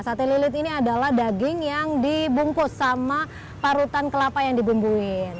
sate lilit ini adalah daging yang dibungkus sama parutan kelapa yang dibumbuin